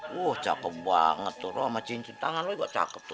wah cakep banget tuh lu sama cincin tangan lu gak cakep tuh